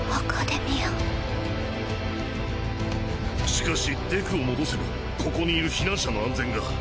しかしデクを戻せばここにいる避難者の安全が。